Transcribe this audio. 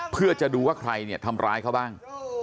เพื่อจะดูว่าใครเนี่ยทำร้ายเขาบ้าง